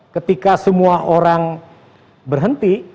ketika semua orang berhenti